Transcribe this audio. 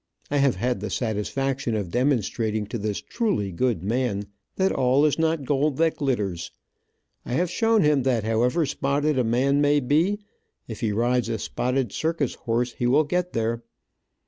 I have had the satisfaction of demonstrating to this truly good man that all is not gold that glitters. I have shown him that however spotted a man may be, if he rides a spotted circus horse, he will get there.